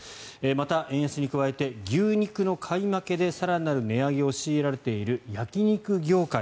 また、円安に加えて牛肉の買い負けで更なる値上げを強いられている焼き肉業界。